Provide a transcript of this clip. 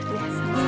makasih ya